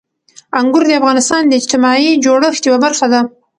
انګور د افغانستان د اجتماعي جوړښت یوه برخه ده.